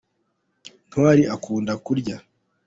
ntwari akunda kurya